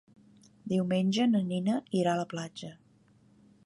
Diumenge na Nina irà a la platja.